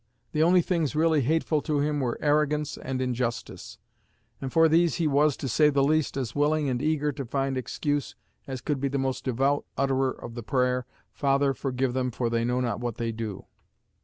The only things really hateful to him were arrogance and injustice, and for these he was, to say the least, as willing and eager to find excuse as could be the most devout utterer of the prayer, "Father, forgive them, for they know not what they do."